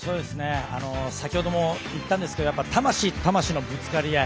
先程も言ったんですが魂と魂のぶつかり合い。